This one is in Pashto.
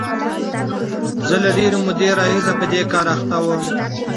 زه له ډېرې مودې راهیسې په دې کار بوخت وم.